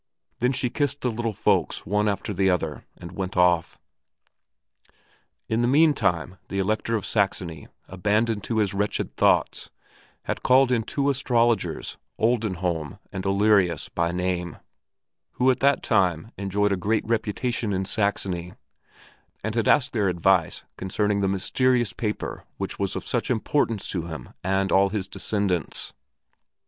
Then she kissed the little folks one after the other, and went off. In the mean time the Elector of Saxony, abandoned to his wretched thoughts, had called in two astrologers, Oldenholm and Olearius by name, who at that time enjoyed a great reputation in Saxony, and had asked their advice concerning the mysterious paper which was of such importance to him and all his descendants.